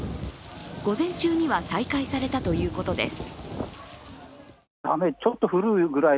午前中には再開されたということです。